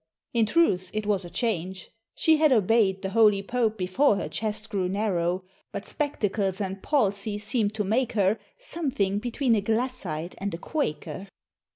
In truth it was a change! she had obey'd The holy Pope before her chest grew narrow, But spectacles and palsy seem'd to make her Something between a Glassite and a Quaker.